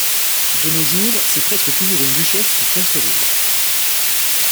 De nos jours, c'est presque toujours une duchesse qui tient ce rôle.